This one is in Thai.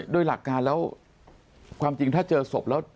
โดยหลักการแล้วความจริงถ้าเจอศพแล้ว